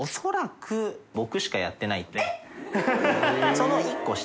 その１個下。